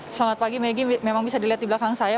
selamat pagi maggie memang bisa dilihat di belakang saya